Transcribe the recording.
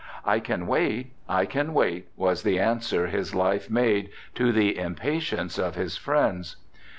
"I can wait, I can wait," was the answer his life made to the impatience of his friends.